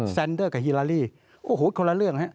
แซนเดอร์กับฮิลาลี่โอ้โหคนละเรื่องฮะ